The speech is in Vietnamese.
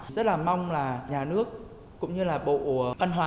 rất là mong là nhà nước cũng như là bộ phân hòa